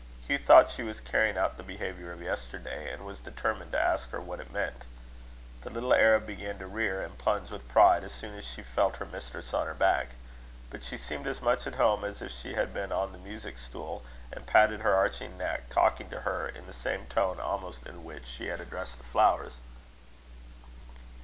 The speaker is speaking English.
Hugh thought she was carrying out the behaviour of yesterday, and was determined to ask her what it meant. The little Arab began to rear and plunge with pride, as soon as she felt her mistress on her back; but she seemed as much at home as if she had been on the music stool, and patted her arching neck, talking to her in the same tone almost in which she had addressed the flowers.